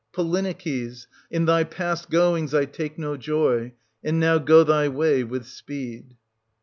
Polyneices, in thy past goings I take no joy ; and now go thy way with speed.